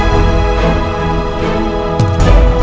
kalian sangat berani